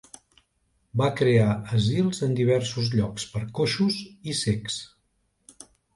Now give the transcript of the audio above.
Va crear asils en diversos llocs per coixos i cecs.